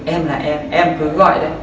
em là em em cứ gọi đây